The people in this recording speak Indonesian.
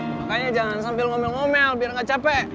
makanya jangan sambil ngomel ngomel biar nggak capek